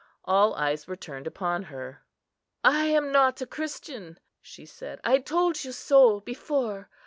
All eyes were turned upon her. "I am not a Christian," she said; "I told you so before.